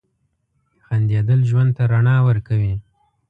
• خندېدل ژوند ته رڼا ورکوي.